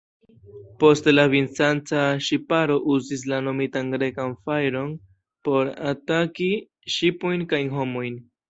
Poste la Bizanca ŝiparo uzis la nomitan Grekan fajron por ataki ŝipojn kaj homojn.